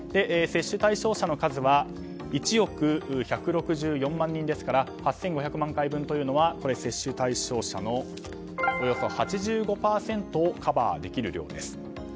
接種対象者の数は１億１６４万人ですから８５００万回分というのは接種対象者のおよそ８５％をカバーできる量です。